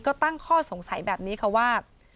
ก็ตั้งข้อสงสัยแบบนี้ค่ะว่า